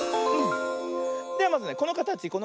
ではまずねこのかたち